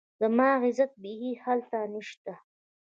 زما عزت بيخي هلته نشته